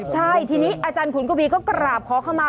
ใช่ทีนี้อาจารย์ขุนกวีก็กราบขอเข้ามา